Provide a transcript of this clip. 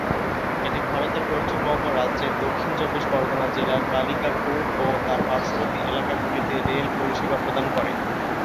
এটি ভারতের পশ্চিমবঙ্গ রাজ্যের দক্ষিণ চব্বিশ পরগনা জেলার কালিকাপুর ও তার পার্শ্ববর্তী এলাকাগুলিতে রেল পরিষেবা প্রদান করে।